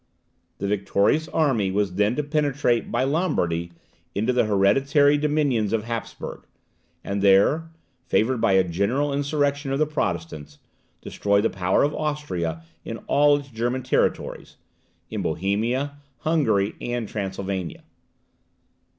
This victorious army was then to penetrate by Lombardy into the hereditary dominions of Hapsburg; and there, favoured by a general insurrection of the Protestants, destroy the power of Austria in all its German territories, in Bohemia, Hungary, and Transylvania.